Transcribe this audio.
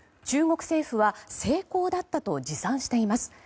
中国政府は成功だったと自賛しています。